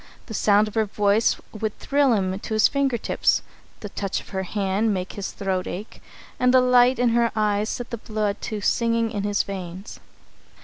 The sound of her voice would thrill him to his finger tips, the touch of her hand make his throat ache, and the light in her eyes set the blood to singing in his veins.